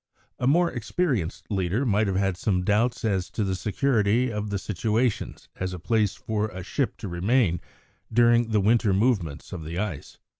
A more experienced leader might have had some doubts as to the security of the situation as a place for a ship to remain during the winter movements of the ice.